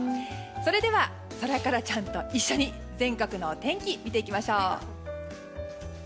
それではソラカラちゃんと一緒に全国のお天気見ていきましょう。